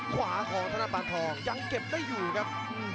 ขวาของธนปานทองยังเก็บได้อยู่ครับ